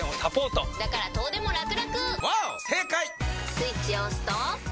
スイッチを押すと。